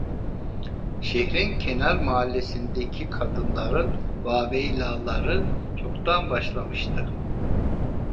Şehrin kenar mahallesindeki kadınların vaveylaları çoktan başlamıştı.